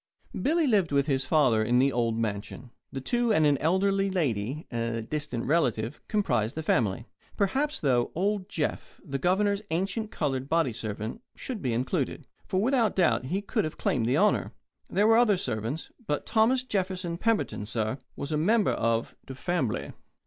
Billy lived with his father in the old mansion. The two and an elderly lady a distant relative comprised the family. Perhaps, though, old Jeff, the Governor's ancient coloured body servant, should be included. Without doubt, he could have claimed the honour. There were other servants, but Thomas Jefferson Pemberton, sah, was a member of "de fambly."